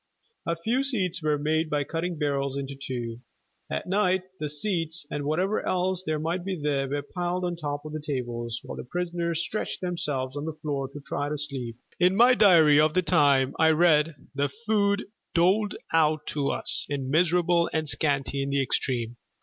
A few seats were made by cutting barrels in two. At night the seats, and whatever else might be there, were piled on top of the tables, while the prisoners stretched themselves on the floor to try to sleep. In my diary of the time I read: "The food doled out to us is miserable and scanty in the extreme.